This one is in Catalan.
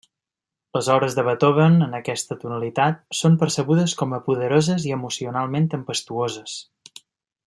Les obres de Beethoven en aquesta tonalitat són percebudes com a poderoses i emocionalment tempestuoses.